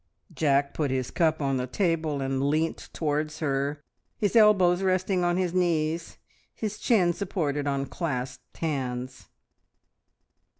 Jack put his cup on the table and leant towards her, his elbows resting on his knees, his chin supported on clasped hands.